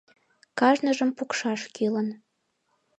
Кажныжым пукшаш кӱлын...